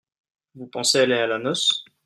Vous pensez aller à la noce ?